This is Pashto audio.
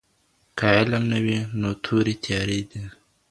که علم نه وي نو توري تیارې دي.